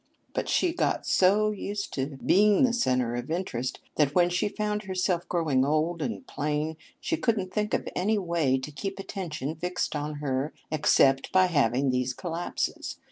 But she got so used to being the center of interest that when she found herself growing old and plain, she couldn't think of any way to keep attention fixed on her except by having these collapses.